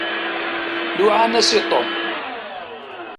Luɛan-as i Tom.